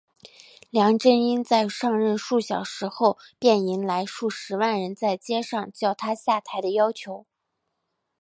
梁振英在上任数小时后便迎来数十万人在街上叫他下台的要求。